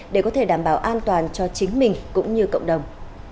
để có thể đảm bảo an toàn cho chính mình cũng như cộng đồng